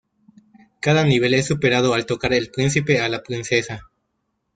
Cada nivel es superado al tocar el príncipe a la princesa.